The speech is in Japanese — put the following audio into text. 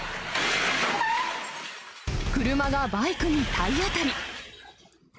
車がバイクに体当たり。